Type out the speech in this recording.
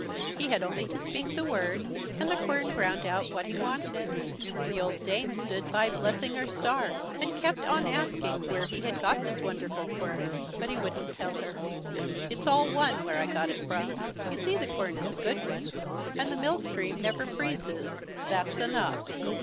He had only to speak the word, and the quern ground out what he wanted. The old dame stood by blessing her stars, and kept on asking where he had got this wonderful quern, but he wouldn't tell her. "It's all one where I got it from; you see the quern is a good one, and the mill stream never freezes, that's enough."